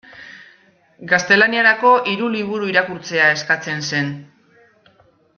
Gaztelaniarako hiru liburu irakurtzea eskatzen zen.